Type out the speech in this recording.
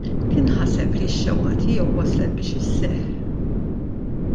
Kien ħaseb li x-xewqa tiegħu waslet biex isseħħ.